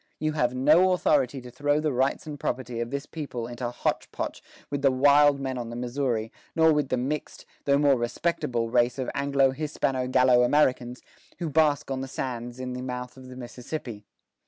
... You have no authority to throw the rights and property of this people into 'hotch pot' with the wild men on the Missouri, nor with the mixed, though more respectable, race of Anglo Hispano Gallo Americans who bask on the sands in the mouth of the Mississippi.